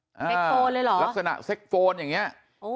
เซ็กโฟนเลยเหรอลักษณะเซ็กโฟนอย่างนี้